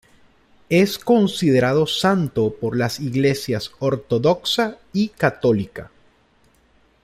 Es considerado santo por las iglesias ortodoxa y católica.